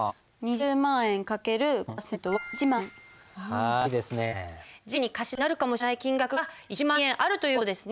次期に貸し倒れになるかもしれない金額が１万円あるという事ですね。